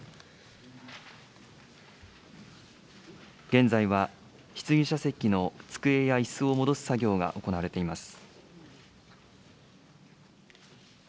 現在は質疑者席の机やいすを戻す作業が行われています。